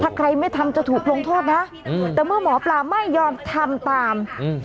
ถ้าใครไม่ทำจะถูกลงโทษนะแต่เมื่อหมอปลาไม่ยอมทำตามอืม